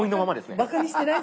バカにしてない？